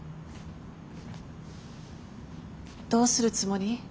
どうするつもり？